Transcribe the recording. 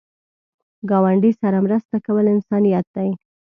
ګاونډي سره مرسته کول انسانیت دی